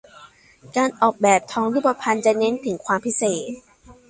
การออกแบบทองรูปพรรณจะเน้นถึงความพิเศษ